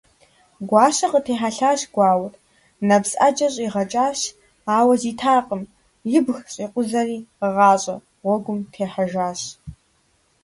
Гуащэ къытехьэлъащ гуауэр, нэпс Ӏэджэ щӀигъэкӀащ, ауэ зитакъым, – ибг щӀикъузэри гъащӀэ гъуэгум техьэжащ.